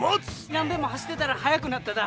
何べんも走ってたら速くなっただ。